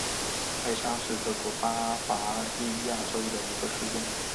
赖沙是德国巴伐利亚州的一个市镇。